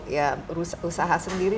ya usaha sendiri